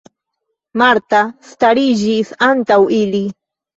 Marta stariĝis antaŭ ili.